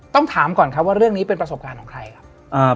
ต้องถามก่อนครับว่าเรื่องนี้เป็นประสบการณ์ของใครครับ